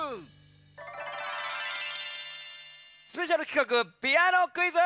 スペシャルきかくピアノクイズ！